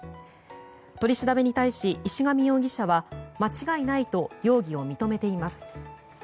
取り調べに対し、石上容疑者は間違いないと容疑を認めています。